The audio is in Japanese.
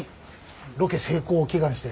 ロケ成功を祈願して。